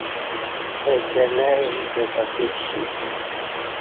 اہ چلئی ییں کہ پتہ کشی